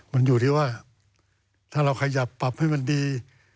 มันอยู่ที่ว่าถ้าเราขยับปรับให้มันดี